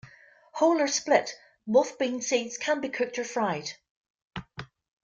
Whole or split moth bean seeds can be cooked or fried.